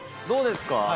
どうですか？